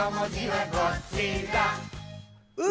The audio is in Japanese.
う？